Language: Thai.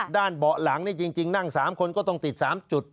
เบาะหลังนี่จริงนั่ง๓คนก็ต้องติด๓จุด